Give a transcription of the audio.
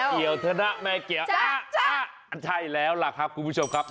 เกี่ยวเถอะนะแม่เกี่ยวใช่แล้วล่ะครับคุณผู้ชมครับ